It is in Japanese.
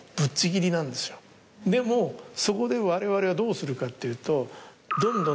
でもそこでわれわれはどうするかっていうと。